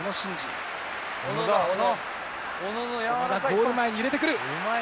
ゴール前に入れてくる。